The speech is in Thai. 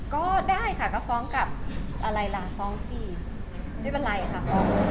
ก็ได้ค่ะก็ฟ้องกับอะไรล่ะฟ้องสิไม่เป็นไรค่ะ